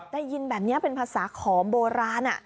ได้ยินแบบนี้เป็นภาษาขอมโบราณ